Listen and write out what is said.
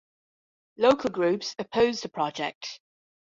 Local groups oppose the project.